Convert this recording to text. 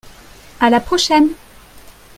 À la prochaine.